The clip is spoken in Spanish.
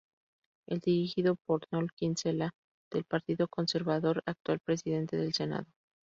Es dirigido por Noël Kinsella, del Partido Conservador, actual presidenta del Senado.